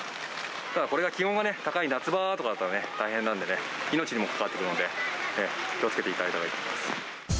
これが気温がね、高い夏場だったら大変なんでね、命にも関わってくるので、気をつけていただきたいと思います。